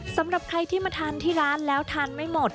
สำหรับใครที่มาทานที่ร้านแล้วทานไม่หมด